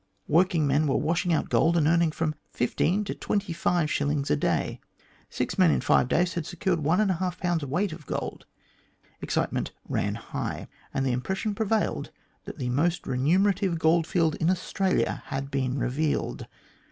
Working men were washing out gold and earning from fifteen to twenty five shillings a day. Six men in five days had secured one and a half pounds' weight of gold. Excitement ran high, and the impression prevailed that the most remunerative goldfield in Australia had been revealed.